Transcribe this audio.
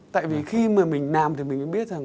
tại vì khi mà mình làm thì mình mới biết rằng